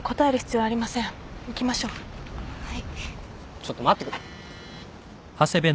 ちょっと待って。